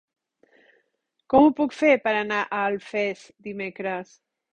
Com ho puc fer per anar a Alfés dimecres?